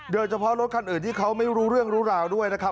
โดยเฉพาะรถคันอื่นที่เขาไม่รู้เรื่องรู้ราวด้วยนะครับ